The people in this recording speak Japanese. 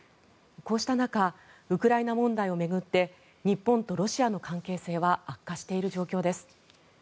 こうした中ウクライナ問題を巡って日本とロシアの関係性は悪化している状況です。